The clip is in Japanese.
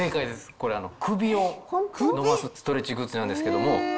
これ、首を伸ばすストレッチグッズなんですけども。